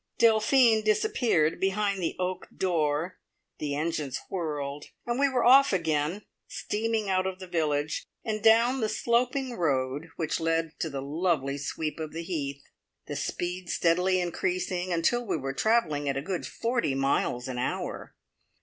Delphine disappeared behind the oak door, the engines whirled, and we were off again, steaming out of the village, and down the sloping road which led to the lovely sweep of the heath, the speed steadily increasing, until we were travelling at a good forty miles an hour.